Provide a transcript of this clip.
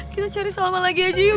kita cari selama lagi aja yuk